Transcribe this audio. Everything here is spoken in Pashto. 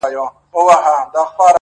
تر پرون مي يوه کمه ده راوړې ـ